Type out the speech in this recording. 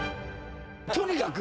とにかく